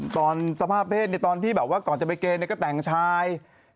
สภาพเพศตอนที่แบบว่าก่อนจะไปเกณฑ์ก็แต่งชาย